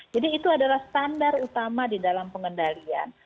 jadi itu adalah standar utama di dalam pengendalian